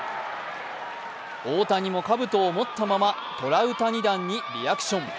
大谷もかぶとを持ったままトラウタニ弾にリアクション。